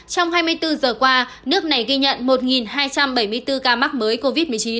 trong hai mươi bốn giờ qua nước này ghi nhận một hai trăm bảy mươi bốn ca mắc mới covid một mươi chín